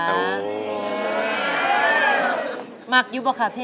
อเรนนี่มันดีค่ะเพราะว่าทางเรามึ่นตึ๊บเลยค่ะจินตลา